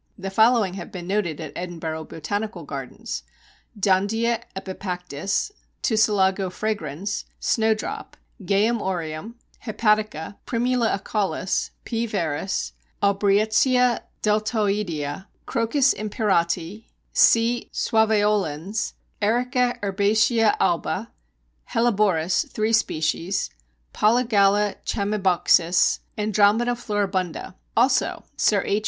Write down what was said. The following have been noted at Edinburgh Botanical Gardens: Dondia epipactis, Tussilago fragrans, Snowdrop, Geum aureum, Hepatica, Primula acaulis, P. veris, Aubrietia deltoidea, Crocus imperati, C. suaveolens, Erica herbacea alba, Helleborus (3 species), Polygala chamaebuxus, Andromeda floribunda; also Sir H.